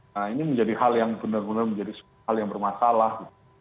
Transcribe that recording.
nah ini menjadi hal yang benar benar menjadi hal yang bermasalah